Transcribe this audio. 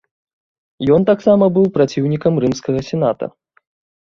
Ён таксама быў праціўнікам рымскага сената.